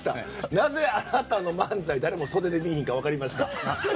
なぜ、あなたの漫才を誰も袖で見いひんか分かりました！